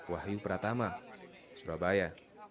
wahyu pratama surabaya